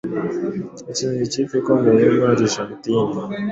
akinira ikipe ikomeye yo muri Argentine,